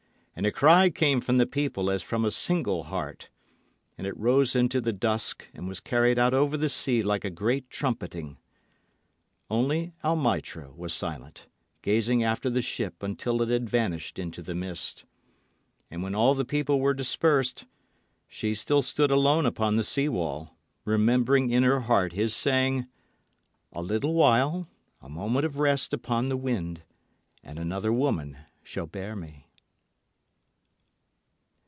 And a cry came from the people as from a single heart, and it rose into the dusk and was carried out over the sea like a great trumpeting. Only Almitra was silent, gazing after the ship until it had vanished into the mist. And when all the people were dispersed she still stood alone upon the sea wall, remembering in her heart his saying, "A little while, a moment of rest upon the wind, and another woman shall bear me."